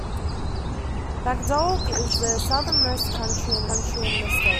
McDowell county is the southernmost county in the state.